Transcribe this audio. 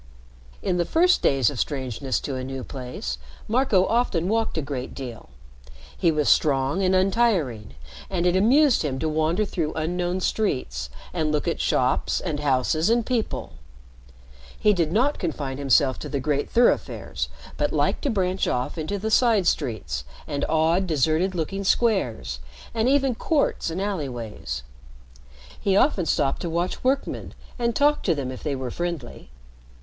In the first days of strangeness to a new place, Marco often walked a great deal. He was strong and untiring, and it amused him to wander through unknown streets, and look at shops, and houses, and people. He did not confine himself to the great thoroughfares, but liked to branch off into the side streets and odd, deserted looking squares, and even courts and alleyways. He often stopped to watch workmen and talk to them if they were friendly.